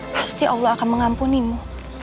pasti allah akan mengampunimu